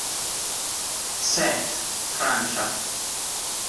Sète, Francia.